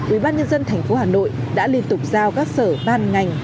ubnd tp hà nội đã liên tục giao các sở ban ngành